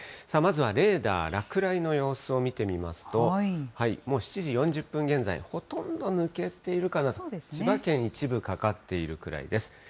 まずはレーダー、落雷の様子を見てみますと、７時４０分現在、ほとんど抜けているかなと、千葉県、一部かかっているくらいです。